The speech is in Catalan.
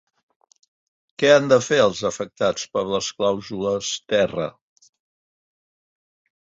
Què han de fer els afectats per les clàusules terra?